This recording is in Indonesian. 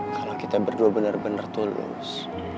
kalau kita berdua bener bener tulus